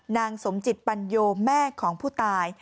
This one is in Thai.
นางสมจิตปัญโยแม่ของผู้ตาย